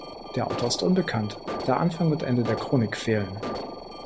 Der Autor ist unbekannt, da Anfang und Ende der Chronik fehlen.